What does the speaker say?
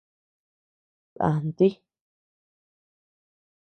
Dànti.